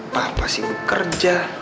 papa sibuk kerja